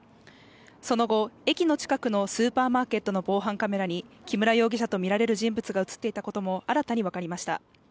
その後、駅の近くのスーパーマーケットの防犯カメラに木村容疑者とみられる人物が映っていたことも新たに分かりました。